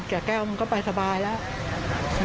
แก้วมันก็ไปสบายแล้ว